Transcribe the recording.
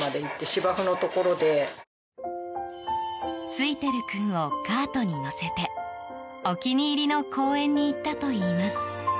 ツイテル君をカートに乗せてお気に入りの公園に行ったといいます。